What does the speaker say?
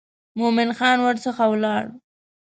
مومن خان ورڅخه ولاړ.